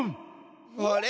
あれ？